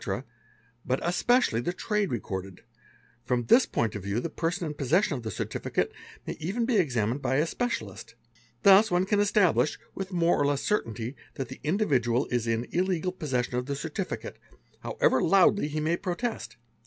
but especially the trade recorded: from this point of view the erson in possession of the certificate may even be examined by a specia 'list. Thus one can establish, with more or less certainty, that the dividual is in illegal possession of the certificate, however loudly he may 'protest.